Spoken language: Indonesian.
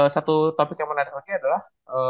satu topik yang menarik lagi adalah